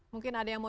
mungkin ada yang mau